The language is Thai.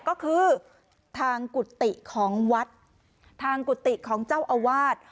ก็คือทางกุฏิของวัดทางกุฏิของเจ้าอาวาส